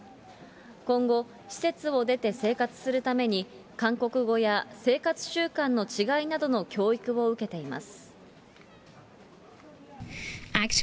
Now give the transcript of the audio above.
今後、施設を出て生活するために、韓国語や生活習慣の違いなどの教育を受けています。